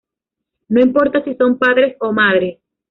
No importa si son padres o madres".